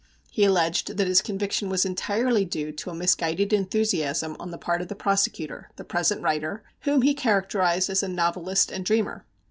He alleged that his conviction was entirely due to a misguided enthusiasm on the part of the prosecutor, the present writer, whom he characterized as a "novelist" and dreamer.